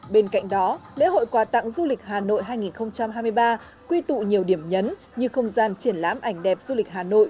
bên cạnh đó lễ hội quà tặng du lịch hà nội hai nghìn hai mươi ba quy tụ nhiều điểm nhấn như không gian triển lãm ảnh đẹp du lịch hà nội